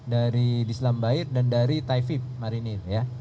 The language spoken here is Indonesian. dari dislambair dan dari taifib marine